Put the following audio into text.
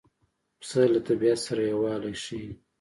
پسه له طبیعت سره یووالی ښيي.